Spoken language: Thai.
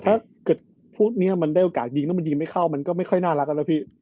ถ้าเกิดพวกนี้มันได้โอกาสยิงแล้วมันยิงไม่เข้ามันก็ไม่ค่อยน่ารักกันแล้วพี่